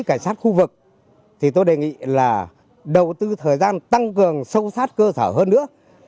cảnh sát khu vực thì tôi đề nghị là đầu tư thời gian tăng cường sâu sát cơ sở hơn nữa